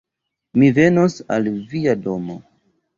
Mi venos al via domo